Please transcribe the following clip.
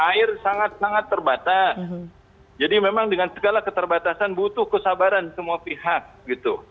air sangat sangat terbatas jadi memang dengan segala keterbatasan butuh kesabaran semua pihak gitu